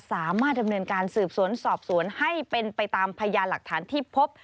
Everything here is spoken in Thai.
สามารถดำเนินการสืบสวนสอบสวนให้เป็นไปตามพยานหลักฐานที่พบ